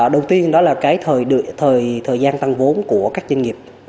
đầu tiên đó là thời gian tăng vốn của các doanh nghiệp